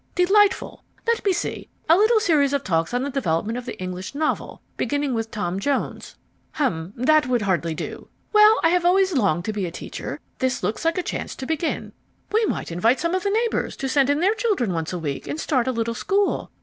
Delightful! Let me see, a little series of talks on the development of the English novel, beginning with Tom Jones hum, that would hardly do! Well, I have always longed to be a teacher, this looks like a chance to begin. We might invite some of the neighbours to send in their children once a week, and start a little school.